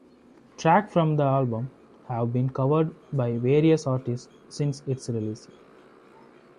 Tracks from the album have been covered by various artists since its release.